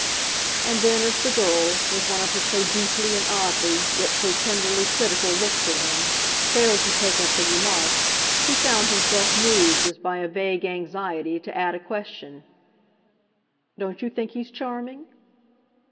And then as the girl, with one of her so deeply and oddly, yet so tenderly, critical looks at him, failed to take up the remark, he found himself moved, as by a vague anxiety, to add a question. "Don't you think he's charming?"